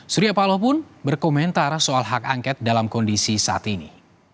surya paloh pun berkomentar soal hak angket dalam kondisi saat ini